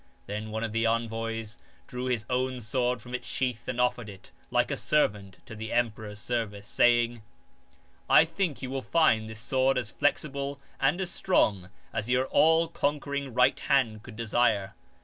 Then one of the envoys drew his own sword from its sheath and offered it, like a servant, to the emperor's service, saying :" I think you will find this sword as flexible and as strong as your all conquer ing right hand could desire."